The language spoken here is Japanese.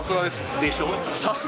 でしょ？